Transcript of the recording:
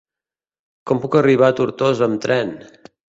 Com puc arribar a Tortosa amb tren?